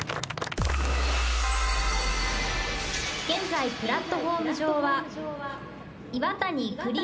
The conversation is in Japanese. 現在プラットホーム上は。